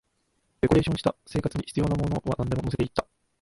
デコレーションした、生活に必要なものはなんでも乗せていった